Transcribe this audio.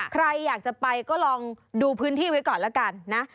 ใครอยากจะไปก็ลองดูพื้นที่ไว้ก่อนแล้วกันนะ